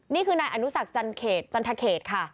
นี่คือในอนุสักจันทะเขตค่ะ